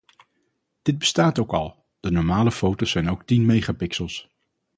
Dat bestaat ook al, de normale foto's zijn ook tien megapixels.